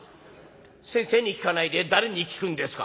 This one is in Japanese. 「先生に聞かないで誰に聞くんですか？」。